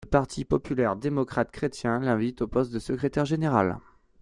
Le Parti populaire démocrate-chrétien l'invite au poste du secrétaire générale.